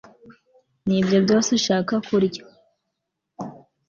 nibyo byose ushaka kurya